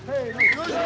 よいしょ！